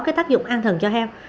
nó có cái tác dụng an thần cho heo